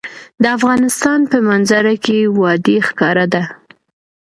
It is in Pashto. د افغانستان په منظره کې وادي ښکاره ده.